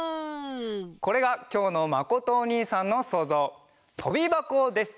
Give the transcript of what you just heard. これがきょうのまことおにいさんのそうぞう「とびばこ」です！